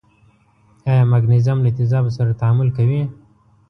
آیا مګنیزیم له تیزابو سره تعامل کوي؟